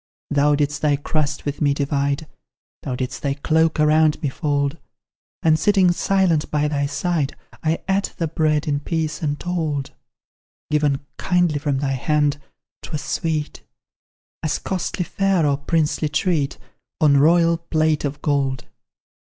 Thou didst thy crust with me divide, Thou didst thy cloak around me fold; And, sitting silent by thy side, I ate the bread in peace untold: Given kindly from thy hand, 'twas sweet As costly fare or princely treat On royal plate of gold.